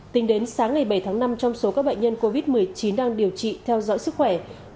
tính đến sáng ngày bảy tháng năm trong số các bệnh nhân covid một mươi chín đang điều trị theo dõi sức khỏe